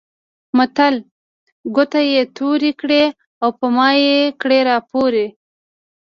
متل؛ ګوتې يې تورې کړې او په مايې کړې راپورې.